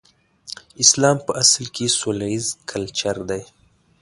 اسلام په اصل کې سوله ييز کلچر دی.